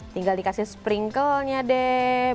tinggal dikasih sprinkle nya deh